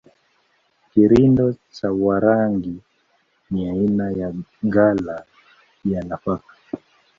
Kirindo cha Warangi ni aina ya ghala ya nafaka